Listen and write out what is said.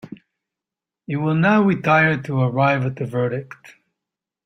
You will now retire to arrive at a verdict.